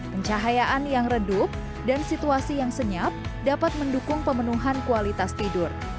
pencahayaan yang redup dan situasi yang senyap dapat mendukung pemenuhan kualitas tidur